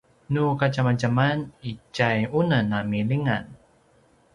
nu kadjamadjaman itja unem a milingan